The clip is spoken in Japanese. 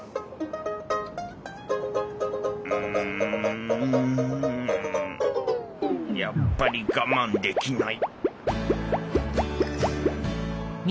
うんやっぱり我慢できない